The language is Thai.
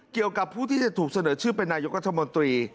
เกี่ยวกับผู้ที่จะถูกเสนอชื่อเป็นนายกรัฐมนตรี